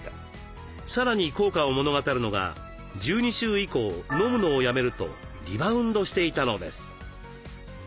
さらに効果を物語るのが１２週以降飲むのをやめるとリバウンドしていたのです。